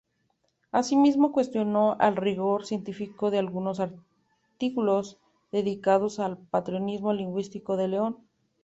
Asimismo cuestionó el rigor científico de algunos artículos dedicados al patrimonio lingüístico de León.